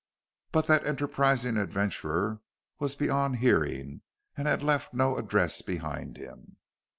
But that enterprising adventurer was beyond hearing, and had left no address behind him.